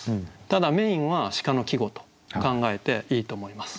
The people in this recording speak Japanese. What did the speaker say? ただメインは「鹿」の季語と考えていいと思います。